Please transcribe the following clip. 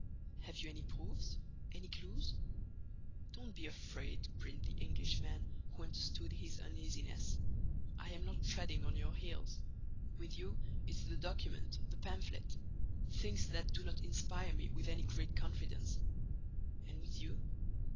"Have you any proofs? Any clues?" "Don't be afraid," grinned the Englishman, who understood his uneasiness. "I am not treading on your heels. With you, it's the document, the pamphlet: things that do not inspire me with any great confidence." "And with you?"